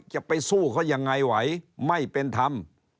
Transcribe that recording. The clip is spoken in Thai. จะไปสู้เขายังไงไหวไม่เป็นธรรม